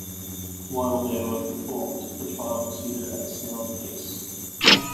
While they were performed, the trial proceeded at a snail's pace.